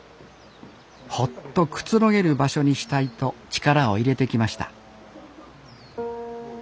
ほっとくつろげる場所にしたいと力を入れてきました